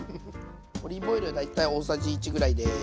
オリーブオイル大体大さじ１ぐらいです。